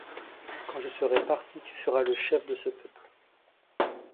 Quand je serai parti tu seras le chef de ce peuple.